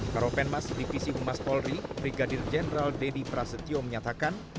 karopenmas divisi humas polri brigadir jenderal deddy prasetyo menyatakan